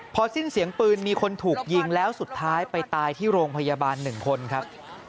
พอสิ้นเสียงปืนมีคนถูกยิงแล้วสุดท้ายไปตายที่โรงพยาบาล๑คนครับ